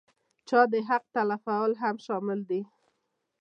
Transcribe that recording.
چا د حق تلفول هم شامل دي.